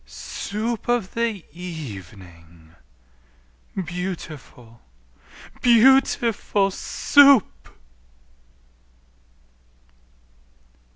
Soo oop of the e e evening, Beautiful, beauti FUL SOUP!